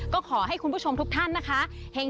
ก็ขอให้คุณผู้ชมทุกท่านนะคะ